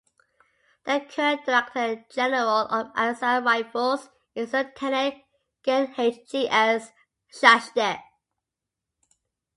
The current director general of Assam Rifles is Lieutenant Gen H J S Sachdev.